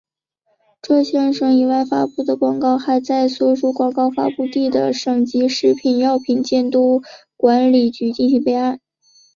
浙江省以外发布的广告还在所属广告发布地的省级食品药品监督管理局进行备案。